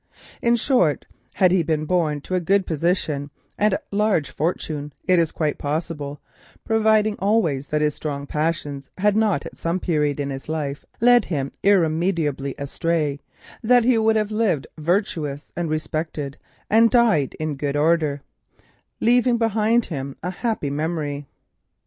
In short, had he been born to a good position and a large fortune, it is quite possible, providing always that his strong passions had not at some period of his life led him irremediably astray, that he would have lived virtuous and respected, and died in good odour, leaving behind him a happy memory.